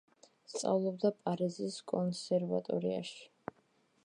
სწავლობდა პარიზის კონსერვატორიაში.